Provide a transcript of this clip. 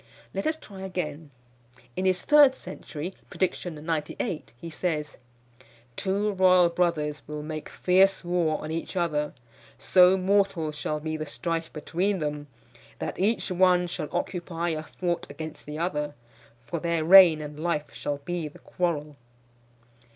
Let us try again. In his third century, prediction 98, he says: "Two royal brothers will make fierce war on each other; So mortal shall be the strife between them, That each one shall occupy a fort against the other; For their reign and life shall be the quarrel."